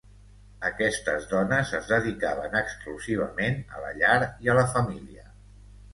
Aquestes dones es dedicaven exclusivament a la llar i a la família.